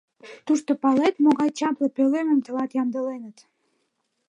Тушто, палет, могай чапле пӧлемым тылат ямдыленыт?